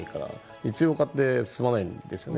実用化って進まないんですよね。